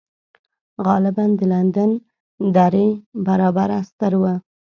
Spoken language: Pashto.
غالباً د لندن درې برابره ستر و